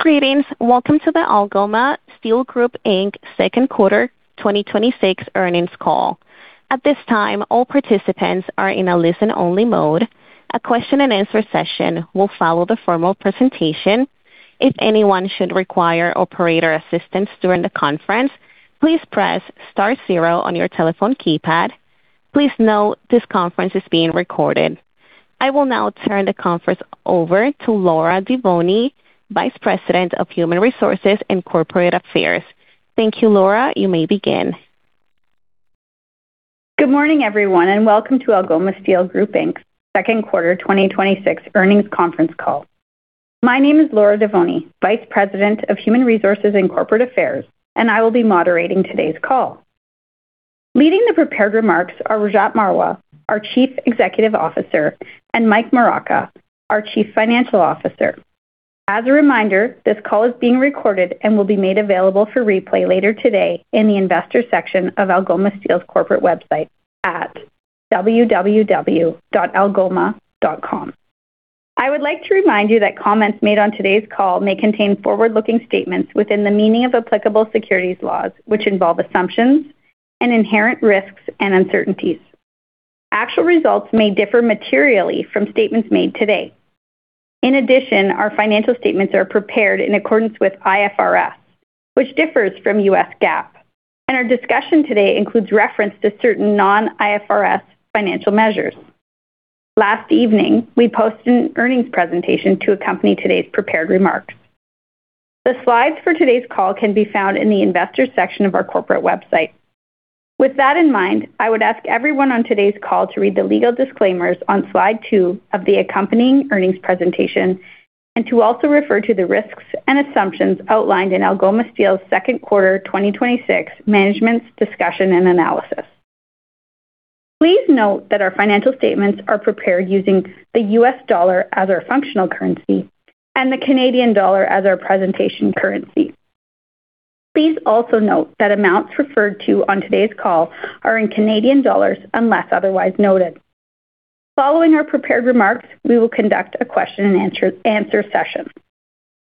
Greetings. Welcome to the Algoma Steel Group Inc.'s second quarter 2026 earnings call. At this time, all participants are in a listen-only mode. A question and answer session will follow the formal presentation. If anyone should require operator assistance during the conference, please press star zero on your telephone keypad. Please note this conference is being recorded. I will now turn the conference over to Laura Devoni, Vice President of Human Resources and Corporate Affairs. Thank you, Laura. You may begin. Good morning, everyone, and welcome to Algoma Steel Group Inc.'s second quarter 2026 earnings conference call. My name is Laura Devoni, Vice President of Human Resources and Corporate Affairs, and I will be moderating today's call. Leading the prepared remarks are Rajat Marwah, our Chief Executive Officer, and Mike Moraca, our Chief Financial Officer. As a reminder, this call is being recorded and will be made available for replay later today in the Investors section of Algoma Steel's corporate website at www.algoma.com. I would like to remind you that comments made on today's call may contain forward-looking statements within the meaning of applicable securities laws, which involve assumptions and inherent risks and uncertainties. Actual results may differ materially from statements made today. In addition, our financial statements are prepared in accordance with IFRS, which differs from U.S. GAAP. Our discussion today includes reference to certain non-IFRS financial measures. Last evening, we posted an earnings presentation to accompany today's prepared remarks. The slides for today's call can be found in the Investors section of our corporate website. With that in mind, I would ask everyone on today's call to read the legal disclaimers on slide two of the accompanying earnings presentation, and to also refer to the risks and assumptions outlined in Algoma Steel's second quarter 2026 management's discussion and analysis. Please note that our financial statements are prepared using the U.S. dollar as our functional currency and the Canadian dollar as our presentation currency. Please also note that amounts referred to on today's call are in Canadian dollars, unless otherwise noted. Following our prepared remarks, we will conduct a question and answer session.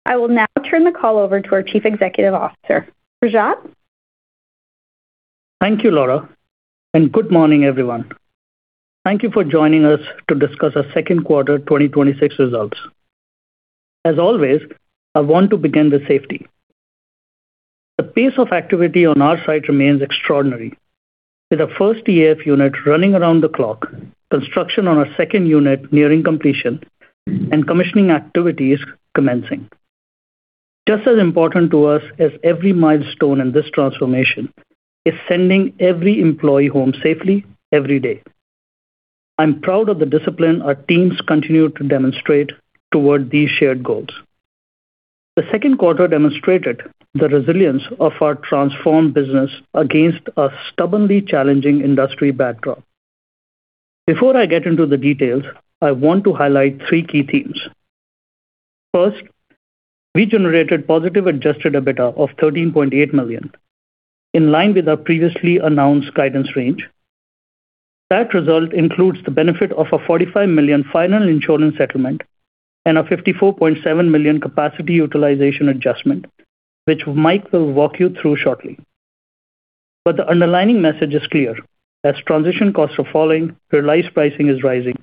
I will now turn the call over to our Chief Executive Officer. Rajat? Thank you, Laura, and good morning, everyone. Thank you for joining us to discuss our second quarter 2026 results. As always, I want to begin with safety. The pace of activity on our site remains extraordinary. With our first EF unit running around the clock, construction on our second unit nearing completion, and commissioning activities commencing. Just as important to us as every milestone in this transformation is sending every employee home safely every day. I'm proud of the discipline our teams continue to demonstrate toward these shared goals. The second quarter demonstrated the resilience of our transformed business against a stubbornly challenging industry backdrop. Before I get into the details, I want to highlight three key themes. First, we generated positive adjusted EBITDA of 13.8 million, in line with our previously announced guidance range. That result includes the benefit of a 45 million final insurance settlement and a 54.7 million capacity utilization adjustment, which Mike will walk you through shortly. The underlining message is clear. As transition costs are falling, realized pricing is rising,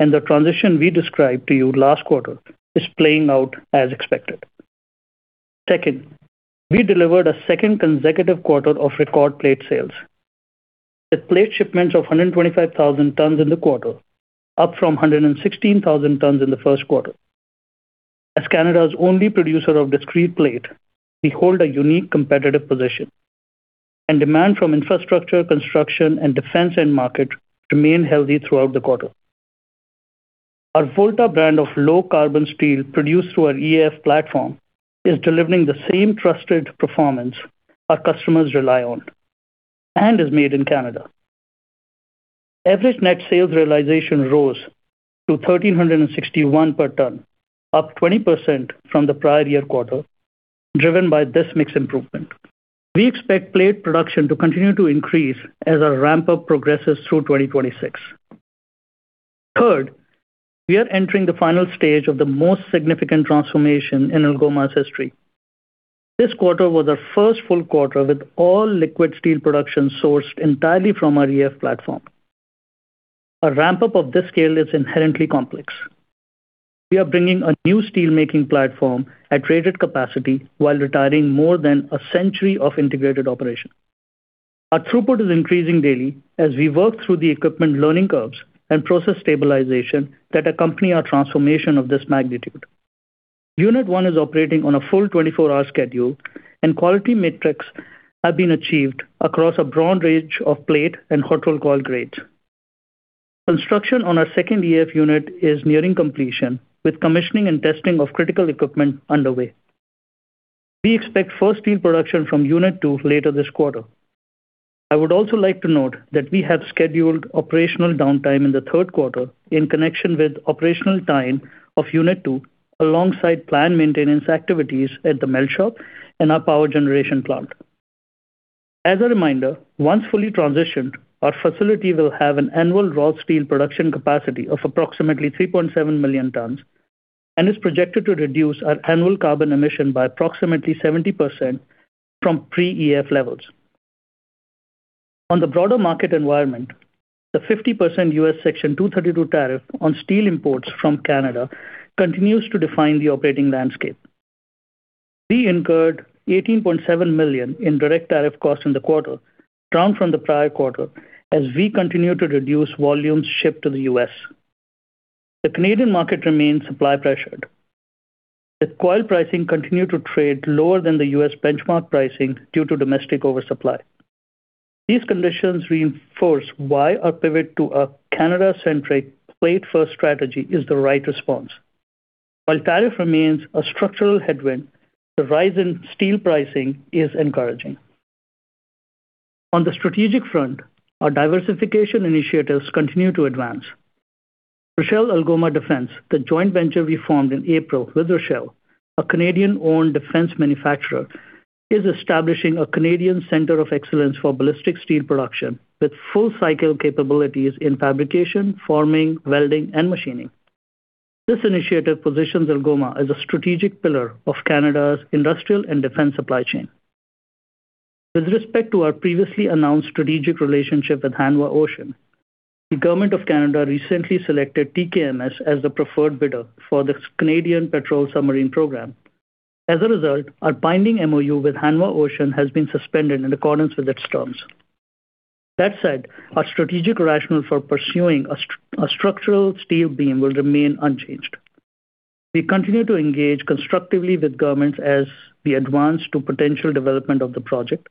and the transition we described to you last quarter is playing out as expected. Second, we delivered a second consecutive quarter of record plate sales with plate shipments of 125,000 tons in the quarter, up from 116,000 tons in the first quarter. As Canada's only producer of discrete plate, we hold a unique competitive position and demand from infrastructure, construction, and defense end market remained healthy throughout the quarter. Our Volta brand of low-carbon steel produced through our EAF platform is delivering the same trusted performance our customers rely on and is made in Canada. Average net sales realization rose to 1,361 per ton, up 20% from the prior year quarter, driven by this mix improvement. We expect plate production to continue to increase as our ramp-up progresses through 2026. Third, we are entering the final stage of the most significant transformation in Algoma's history. This quarter was our first full quarter with all liquid steel production sourced entirely from our EAF platform. A ramp-up of this scale is inherently complex. We are bringing a new steel-making platform at rated capacity while retiring more than a century of integrated operation. Our throughput is increasing daily as we work through the equipment learning curves and process stabilization that accompany our transformation of this magnitude. Unit 1 is operating on a full 24-hour schedule and quality metrics have been achieved across a broad range of plate and hot roll coil grades. Construction on our second EAF unit is nearing completion, with commissioning and testing of critical equipment underway. We expect first steel production from unit 2 later this quarter. I would also like to note that we have scheduled operational downtime in the third quarter in connection with operational time of unit 2 alongside plant maintenance activities at the melt shop and our power generation plant. As a reminder, once fully transitioned, our facility will have an annual raw steel production capacity of approximately 3.7 million tons and is projected to reduce our annual carbon emission by approximately 70% from pre-EAF levels. On the broader market environment, the 50% U.S. Section 232 tariff on steel imports from Canada continues to define the operating landscape. We incurred 18.7 million in direct tariff costs in the quarter, down from the prior quarter as we continue to reduce volumes shipped to the U.S. The Canadian market remains supply pressured. Coil pricing continued to trade lower than the U.S. benchmark pricing due to domestic oversupply. These conditions reinforce why our pivot to a Canada-centric plate first strategy is the right response. While tariff remains a structural headwind, the rise in steel pricing is encouraging. On the strategic front, our diversification initiatives continue to advance. Roshel Algoma Defence, the joint venture we formed in April with Roshel, a Canadian-owned defense manufacturer, is establishing a Canadian center of excellence for ballistic steel production with full cycle capabilities in fabrication, forming, welding and machining. This initiative positions Algoma as a strategic pillar of Canada's industrial and defense supply chain. With respect to our previously announced strategic relationship with Hanwha Ocean, the government of Canada recently selected TKMS as the preferred bidder for the Canadian Patrol Submarine Project. As a result, our binding MOU with Hanwha Ocean has been suspended in accordance with its terms. That said, our strategic rationale for pursuing a structural steel beam will remain unchanged. We continue to engage constructively with governments as we advance to potential development of the project,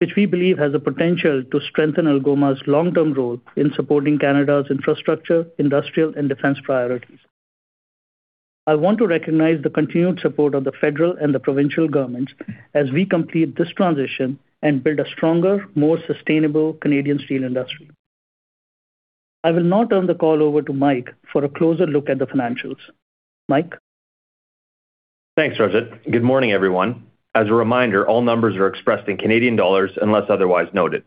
which we believe has the potential to strengthen Algoma's long-term role in supporting Canada's infrastructure, industrial and defense priorities. I want to recognize the continued support of the federal and the provincial governments as we complete this transition and build a stronger, more sustainable Canadian steel industry. I will now turn the call over to Mike for a closer look at the financials. Mike? Thanks, Rajat. Good morning, everyone. As a reminder, all numbers are expressed in Canadian dollars unless otherwise noted.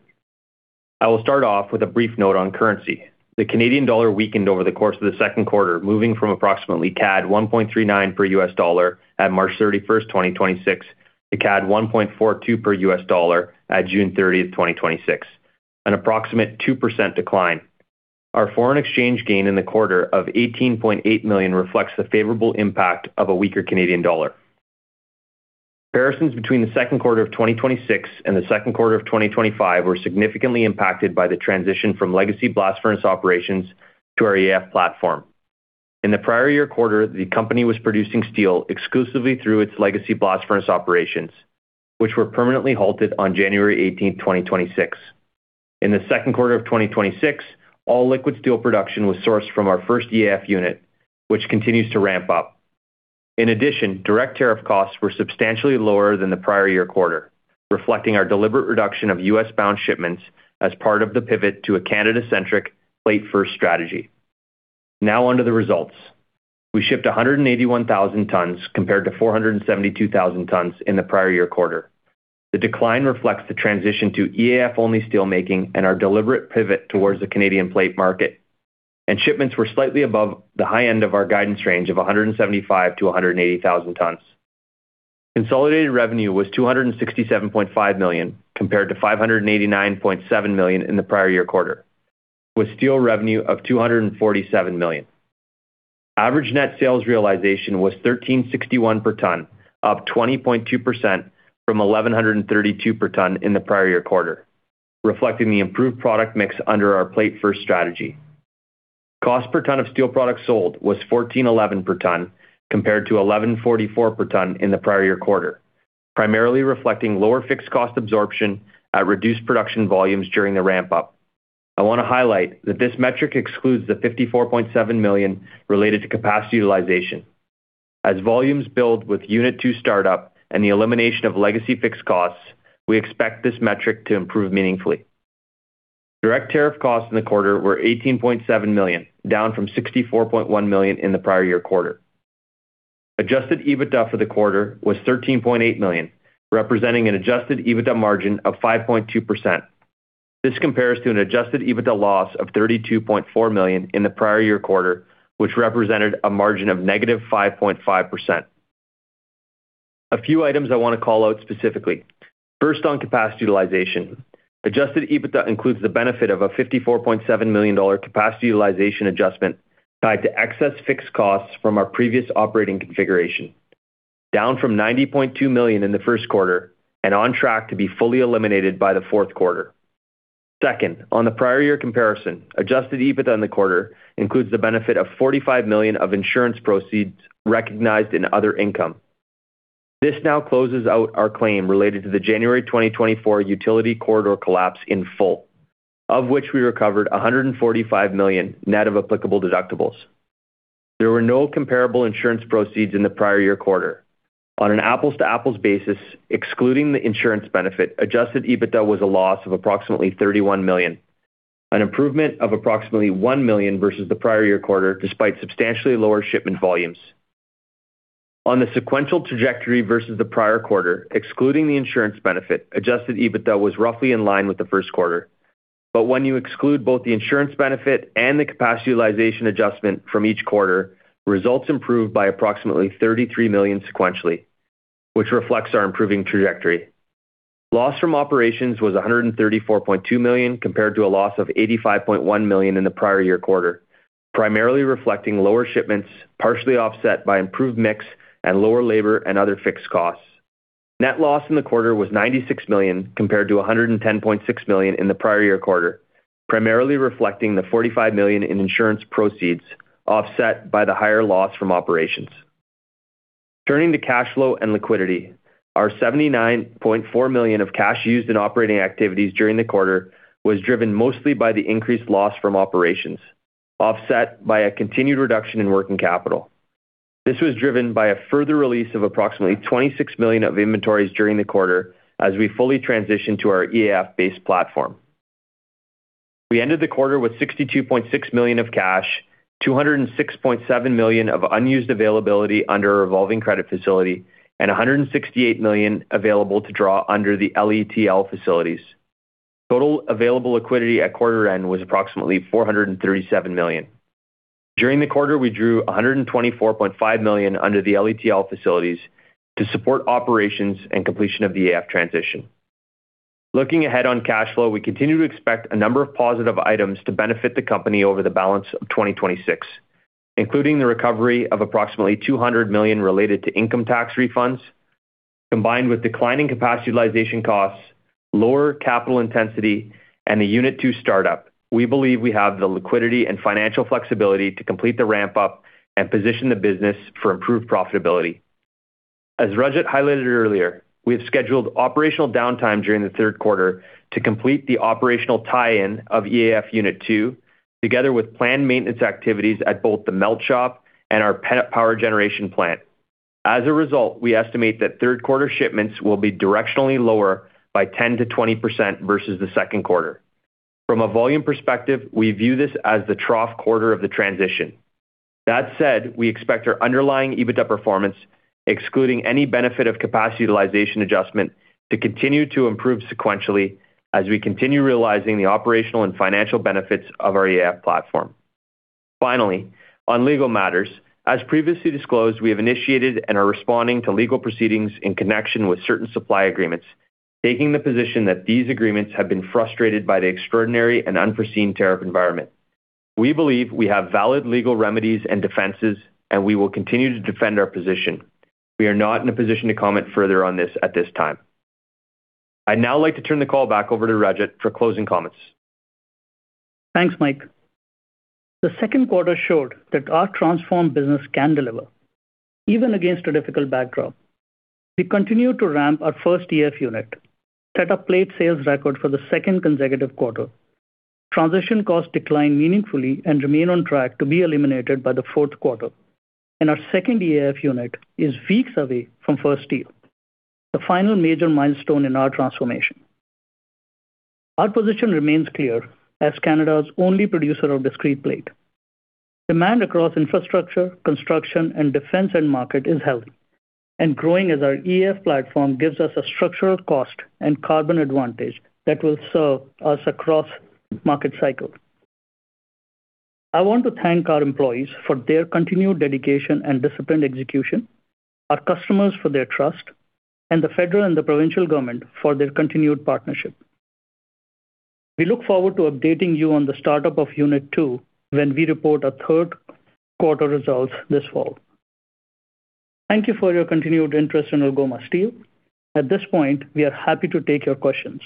I will start off with a brief note on currency. The Canadian dollar weakened over the course of the second quarter, moving from approximately CAD 1.39 per U.S. dollar at March 31st, 2026 to CAD 1.42 per U.S. dollar at June 30th, 2026, an approximate 2% decline. Our foreign exchange gain in the quarter of 18.8 million reflects the favorable impact of a weaker Canadian dollar. Comparisons between the second quarter of 2026 and the second quarter of 2025 were significantly impacted by the transition from legacy blast furnace operations to our EAF platform. In the prior year quarter, the company was producing steel exclusively through its legacy blast furnace operations, which were permanently halted on January 18th, 2026. In the second quarter of 2026, all liquid steel production was sourced from our first EAF unit, which continues to ramp up. In addition, direct tariff costs were substantially lower than the prior year quarter, reflecting our deliberate reduction of U.S.-bound shipments as part of the pivot to a Canada-centric plate-first strategy. Now onto the results. We shipped 181,000 tons compared to 472,000 tons in the prior year quarter. The decline reflects the transition to EAF-only steel making and our deliberate pivot towards the Canadian plate market, and shipments were slightly above the high end of our guidance range of 175,000 tons-180,000 tons. Consolidated revenue was 267.5 million, compared to 589.7 million in the prior year quarter, with steel revenue of 247 million. Average net sales realization was 1,361 per ton, up 20.2% from 1,132 per ton in the prior year quarter, reflecting the improved product mix under our plate-first strategy. Cost per ton of steel products sold was 1,411 per ton compared to 1,144 per ton in the prior year quarter, primarily reflecting lower fixed cost absorption at reduced production volumes during the ramp-up. I want to highlight that this metric excludes the 54.7 million related to capacity utilization. As volumes build with unit two startup and the elimination of legacy fixed costs, we expect this metric to improve meaningfully. Direct tariff costs in the quarter were 18.7 million, down from 64.1 million in the prior year quarter. Adjusted EBITDA for the quarter was 13.8 million, representing an adjusted EBITDA margin of 5.2%. This compares to an adjusted EBITDA loss of 32.4 million in the prior year quarter, which represented a margin of -5.5%. A few items I want to call out specifically. First, on capacity utilization. Adjusted EBITDA includes the benefit of a 54.7 million dollar capacity utilization adjustment tied to excess fixed costs from our previous operating configuration, down from 90.2 million in the first quarter and on track to be fully eliminated by the fourth quarter. Second, on the prior year comparison, adjusted EBITDA in the quarter includes the benefit of 45 million of insurance proceeds recognized in other income. This now closes out our claim related to the January 2024 utility corridor collapse in full, of which we recovered 145 million net of applicable deductibles. There were no comparable insurance proceeds in the prior year quarter. On an apples-to-apples basis, excluding the insurance benefit, adjusted EBITDA was a loss of approximately 31 million, an improvement of approximately 1 million versus the prior year quarter, despite substantially lower shipment volumes. On the sequential trajectory versus the prior quarter, excluding the insurance benefit, adjusted EBITDA was roughly in line with the first quarter. When you exclude both the insurance benefit and the capacity utilization adjustment from each quarter, results improved by approximately 33 million sequentially, which reflects our improving trajectory. Loss from operations was 134.2 million, compared to a loss of 85.1 million in the prior year quarter, primarily reflecting lower shipments, partially offset by improved mix and lower labor and other fixed costs. Net loss in the quarter was 96 million, compared to 110.6 million in the prior year quarter, primarily reflecting the 45 million in insurance proceeds, offset by the higher loss from operations. Turning to cash flow and liquidity, our 79.4 million of cash used in operating activities during the quarter was driven mostly by the increased loss from operations, offset by a continued reduction in working capital. This was driven by a further release of approximately 26 million of inventories during the quarter as we fully transition to our EAF-based platform. We ended the quarter with 62.6 million of cash, 206.7 million of unused availability under a revolving credit facility, and 168 million available to draw under the LETL facilities. Total available liquidity at quarter end was approximately 437 million. During the quarter, we drew 124.5 million under the LETL facilities to support operations and completion of the EAF transition. Looking ahead on cash flow, we continue to expect a number of positive items to benefit the company over the balance of 2026, including the recovery of approximately 200 million related to income tax refunds. Combined with declining capacity utilization costs, lower capital intensity, and the Unit Two startup, we believe we have the liquidity and financial flexibility to complete the ramp-up and position the business for improved profitability. As Rajat highlighted earlier, we have scheduled operational downtime during the third quarter to complete the operational tie-in of EAF Unit Two, together with planned maintenance activities at both the melt shop and our power generation plant. As a result, we estimate that third quarter shipments will be directionally lower by 10%-20% versus the second quarter. From a volume perspective, we view this as the trough quarter of the transition. That said, we expect our underlying EBITDA performance, excluding any benefit of capacity utilization adjustment, to continue to improve sequentially as we continue realizing the operational and financial benefits of our EAF platform. Finally, on legal matters. As previously disclosed, we have initiated and are responding to legal proceedings in connection with certain supply agreements, taking the position that these agreements have been frustrated by the extraordinary and unforeseen tariff environment. We believe we have valid legal remedies and defenses, and we will continue to defend our position. We are not in a position to comment further on this at this time. I'd now like to turn the call back over to Rajat for closing comments. Thanks, Mike. The second quarter showed that our transformed business can deliver, even against a difficult backdrop. We continue to ramp our first EAF unit, set a plate sales record for the second consecutive quarter. Transition costs declined meaningfully and remain on track to be eliminated by the fourth quarter. Our second EAF unit is weeks away from first steel, the final major milestone in our transformation. Our position remains clear as Canada's only producer of discrete plate. Demand across infrastructure, construction, and defense end market is healthy and growing as our EAF platform gives us a structural cost and carbon advantage that will serve us across market cycles. I want to thank our employees for their continued dedication and disciplined execution, our customers for their trust, and the federal and the provincial government for their continued partnership. We look forward to updating you on the startup of Unit 2 when we report our third quarter results this fall. Thank you for your continued interest in Algoma Steel. At this point, we are happy to take your questions.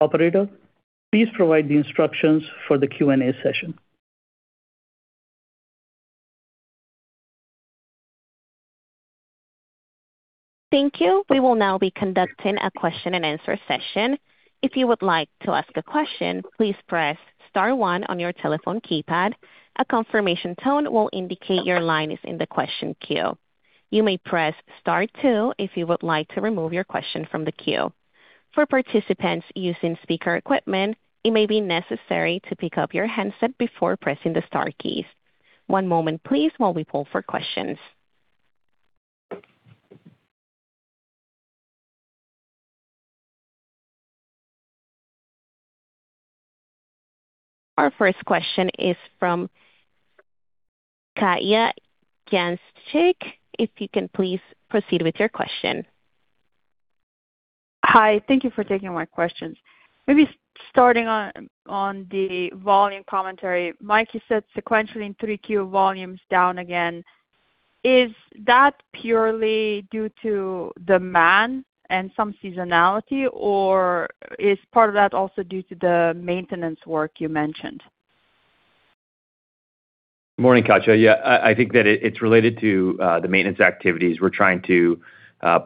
Operator, please provide the instructions for the Q&A session. Thank you. We will now be conducting a question and answer session. If you would like to ask a question, please press star one on your telephone keypad. A confirmation tone will indicate your line is in the question queue. You may press star two if you would like to remove your question from the queue. For participants using speaker equipment, it may be necessary to pick up your handset before pressing the star keys. One moment please while we poll for questions. Our first question is from Katja Jancic. If you can please proceed with your question. Hi. Thank you for taking my questions. Maybe starting on the volume commentary. Mike, you said sequentially in 3Q, volume's down again. Is that purely due to demand and some seasonality, or is part of that also due to the maintenance work you mentioned? Morning, Katja. Yeah, I think that it's related to the maintenance activities. We're trying to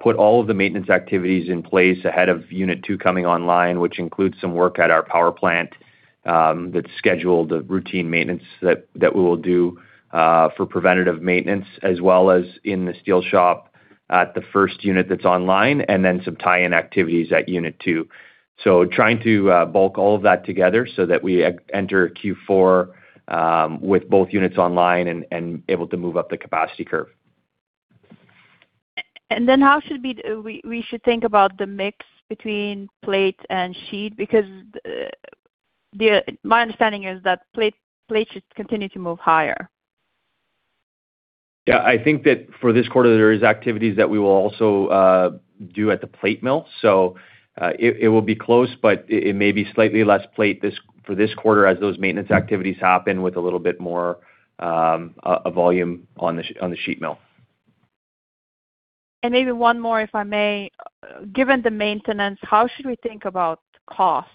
put all of the maintenance activities in place ahead of Unit 2 coming online, which includes some work at our power plant that's scheduled, a routine maintenance that we will do for preventative maintenance, as well as in the steel shop at the first unit that's online, and then some tie-in activities at Unit 2. Trying to bulk all of that together so that we enter Q4 with both units online and able to move up the capacity curve. How should we think about the mix between plate and sheet? My understanding is that plate should continue to move higher. Yeah, I think that for this quarter, there is activities that we will also do at the plate mill. It will be close, but it may be slightly less plate for this quarter as those maintenance activities happen with a little bit more volume on the sheet mill. Maybe one more, if I may. Given the maintenance, how should we think about costs?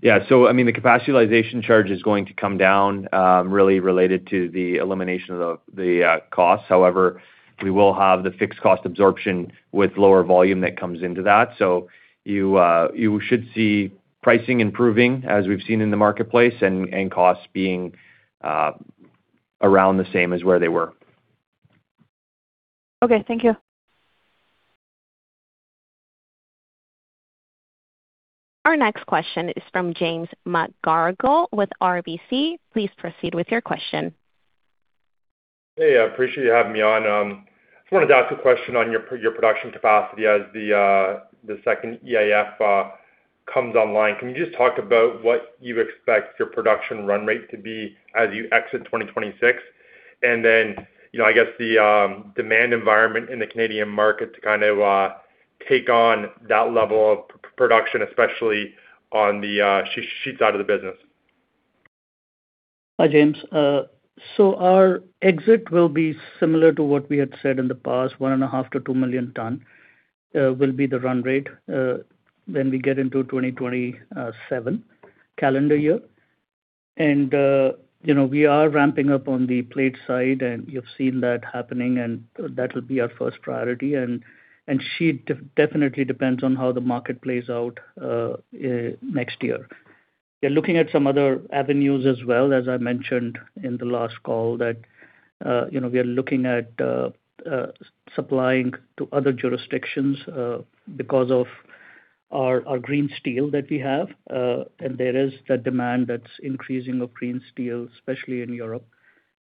Yeah. The capacity utilization charge is going to come down, really related to the elimination of the costs. However, we will have the fixed cost absorption with lower volume that comes into that. You should see pricing improving as we've seen in the marketplace and costs being around the same as where they were. Okay. Thank you. Our next question is from James McGarragle with RBC. Please proceed with your question. I appreciate you having me on. I just wanted to ask a question on your production capacity as the second EAF comes online. Can you just talk about what you expect your production run rate to be as you exit 2026? I guess the demand environment in the Canadian market to kind of take on that level of production, especially on the sheets side of the business. Hi, James. Our exit will be similar to what we had said in the past, 1.5 million to 2 million tons will be the run rate when we get into 2027 calendar year. We are ramping up on the plate side, and you've seen that happening, and that'll be our first priority. Sheet definitely depends on how the market plays out next year. We are looking at some other avenues as well, as I mentioned in the last call, that we are looking at supplying to other jurisdictions, because of our green steel that we have. There is that demand that's increasing of green steel, especially in Europe,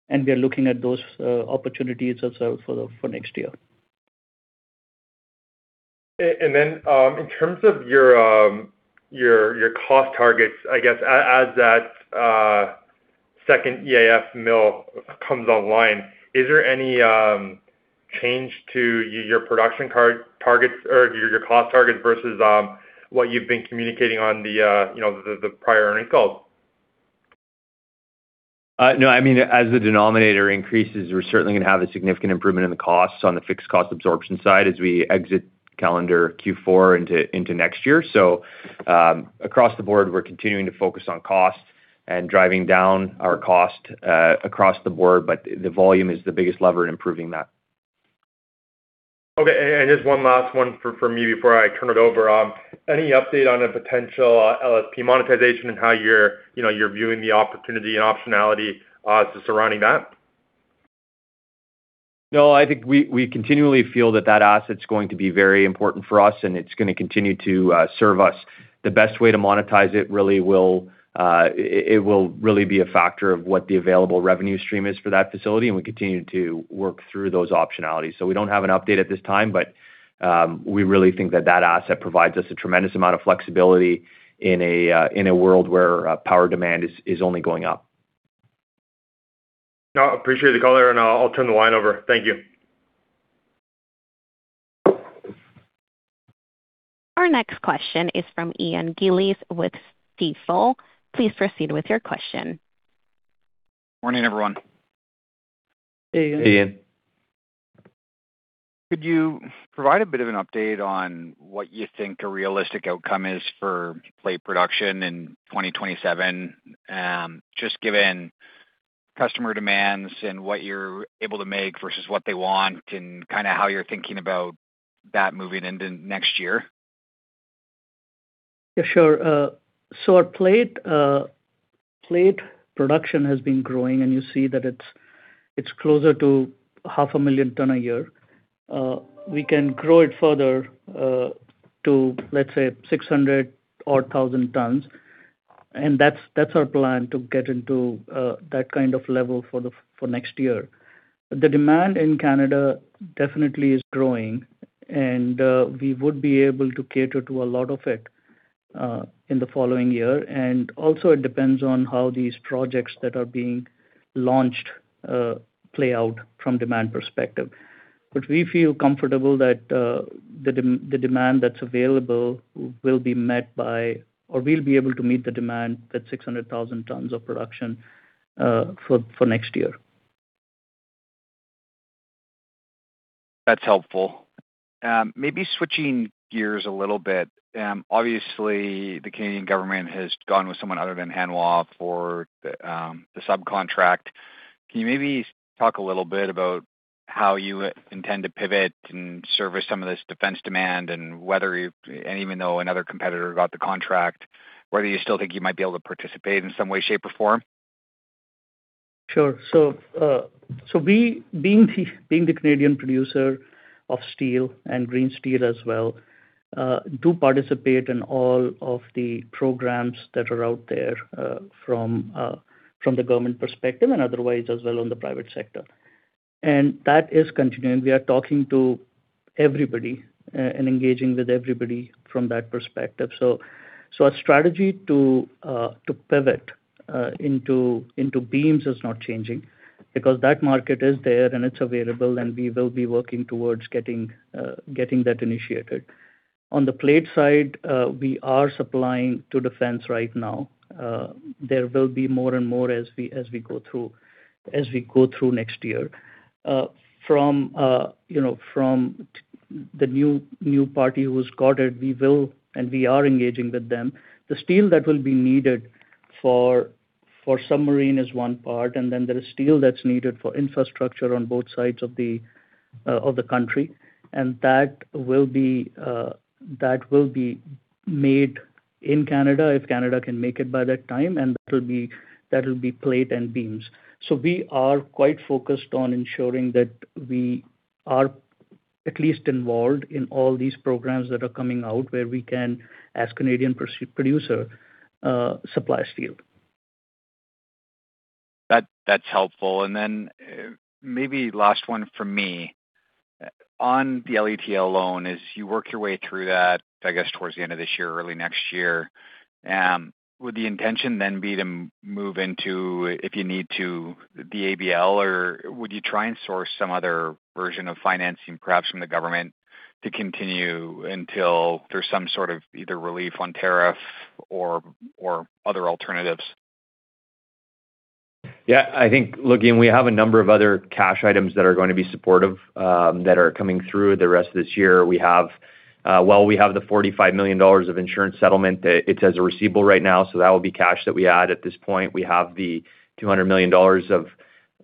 and we are looking at those opportunities also for next year. In terms of your cost targets, I guess, as that second EAF mill comes online, is there any change to your production targets or your cost targets versus what you've been communicating on the prior earnings calls? No. As the denominator increases, we're certainly going to have a significant improvement in the costs on the fixed cost absorption side as we exit calendar Q4 into next year. Across the board, we're continuing to focus on costs and driving down our cost across the board. The volume is the biggest lever in improving that. Okay. Just one last one from me before I turn it over. Any update on a potential LSP monetization and how you're viewing the opportunity and optionality surrounding that? No, I think we continually feel that asset's going to be very important for us, and it's going to continue to serve us. The best way to monetize it will really be a factor of what the available revenue stream is for that facility, and we continue to work through those optionalities. We don't have an update at this time, but we really think that that asset provides us a tremendous amount of flexibility in a world where power demand is only going up. No, I appreciate the call there, and I'll turn the line over. Thank you. Our next question is from Ian Gillies with Stifel. Please proceed with your question. Morning, everyone. Hey, Ian. Hey, Ian. Could you provide a bit of an update on what you think a realistic outcome is for plate production in 2027? Just given customer demands and what you're able to make versus what they want and how you're thinking about that moving into next year. Yeah, sure. Our plate production has been growing, and you see that it's closer to half a million tons a year. We can grow it further to, let's say, 600,000 tons. That's our plan to get into that kind of level for next year. The demand in Canada definitely is growing, and we would be able to cater to a lot of it in the following year. It depends on how these projects that are being launched play out from demand perspective. We feel comfortable that the demand that's available will be met by, or we will be able to meet the demand, that 600,000 tons of production for next year. That's helpful. Maybe switching gears a little bit. Obviously, the Canadian government has gone with someone other than Hanwha for the subcontract. Can you maybe talk a little bit about how you intend to pivot and service some of this defense demand, and even though another competitor got the contract, whether you still think you might be able to participate in some way, shape, or form? Sure. We, being the Canadian producer of steel and green steel as well, do participate in all of the programs that are out there from the government perspective and otherwise as well on the private sector. That is continuing. We are talking to everybody and engaging with everybody from that perspective. Our strategy to pivot into beams is not changing because that market is there and it's available, and we will be working towards getting that initiated. On the plate side, we are supplying to defense right now. There will be more and more as we go through next year. From the new party who has got it, we will, and we are engaging with them. The steel that will be needed for submarine is one part, and then there is steel that is needed for infrastructure on both sides of the country, and that will be made in Canada if Canada can make it by that time, and that will be plate and beams. We are quite focused on ensuring that we are at least involved in all these programs that are coming out where we can, as Canadian producer, supply steel. That's helpful. Maybe last one from me. On the LETL loan, as you work your way through that, I guess towards the end of this year or early next year, would the intention then be to move into, if you need to, the ABL or would you try and source some other version of financing, perhaps from the government to continue until there's some sort of either relief on tariff or other alternatives? Yeah, I think, look, we have a number of other cash items that are going to be supportive, that are coming through the rest of this year. Well, we have the 45 million dollars of insurance settlement. It's as a receivable right now, so that will be cash that we add at this point. We have the 200 million dollars of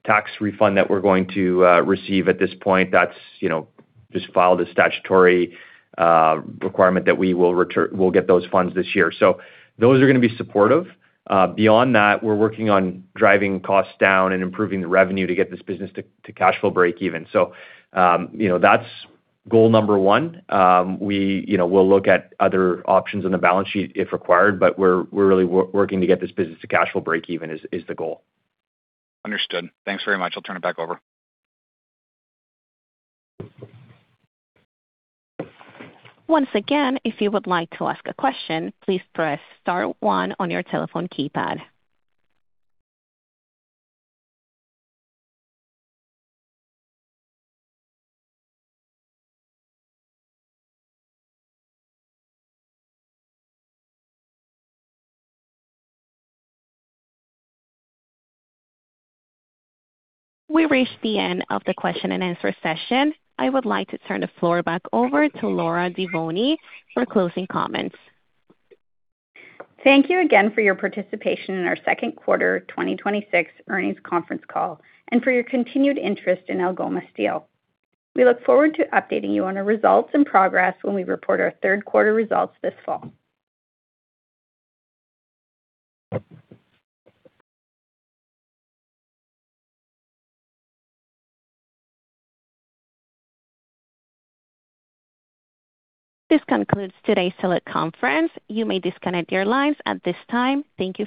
tax refund that we're going to receive at this point. That's just filed a statutory requirement that we'll get those funds this year. Those are going to be supportive. Beyond that, we're working on driving costs down and improving the revenue to get this business to cash flow breakeven. That's goal number one. We'll look at other options on the balance sheet if required, but we're really working to get this business to cash flow breakeven is the goal. Understood. Thanks very much. I'll turn it back over. Once again, if you would like to ask a question, please press star 1 on your telephone keypad. We've reached the end of the question and answer session. I would like to turn the floor back over to Laura Devoni for closing comments. Thank you again for your participation in our second quarter 2026 earnings conference call and for your continued interest in Algoma Steel. We look forward to updating you on our results and progress when we report our third quarter results this fall. This concludes today's teleconference. You may disconnect your lines at this time. Thank you for your participation.